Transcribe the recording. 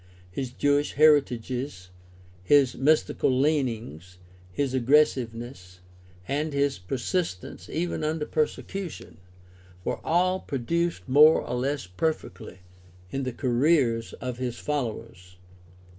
His Jewish heritages, his mystical leanings, his aggressiveness, and his persistence even under persecution were all reproduced more or less perfectly in the careers of his followers.